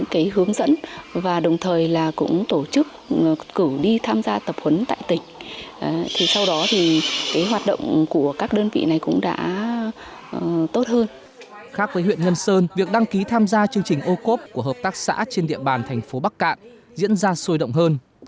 khác với huyện ngân sơn việc đăng ký tham gia chương trình ô cốp của hợp tác xã trên địa bàn thành phố bắc cạn diễn ra sôi động hơn